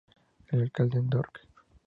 El alcalde Dr.